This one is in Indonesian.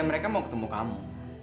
mereka mau ketemu kamu